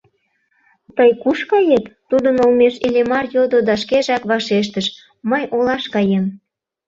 «Тый куш кает?» — тудын олмеш Иллимар йодо да шкежак вашештыш: «Мый олаш каем».